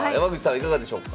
いかがでしょうか？